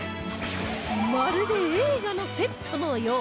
まるで映画のセットのよう